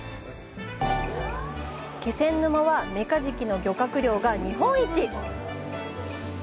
気仙沼は、メカジキの漁獲量が日本一！